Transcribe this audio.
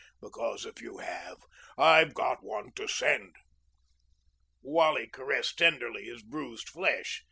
Because if you have, I've got one to send." Wally caressed tenderly his bruised flesh.